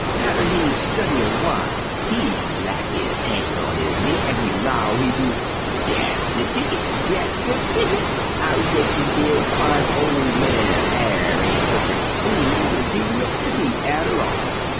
"Atter he study a w'ile he slap one han' on his knee, an' he 'low, he do: 'Dat's de ticket! dat's de ticket! I reckon dey'll fin' ol' man Hyar' ain' sech a fool ez he looks ter be, atter all.'